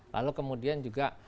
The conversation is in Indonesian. lalu kemudian juga